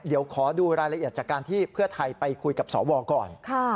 เดี๋ยวขอดูรายละเอียดจากการที่เพื่อไทยไปคุยกับสวก่อน